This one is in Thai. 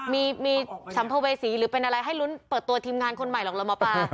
มีสัมภเวษีหรือเป็นอะไรให้ลุ้นเปิดตัวทีมงานคนใหม่หรอกเหรอหมอปลา